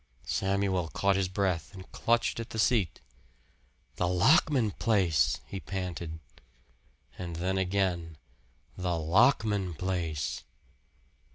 Samuel caught his breath and clutched at the seat. "The Lockman place!" he panted; and then again, "The Lockman place!"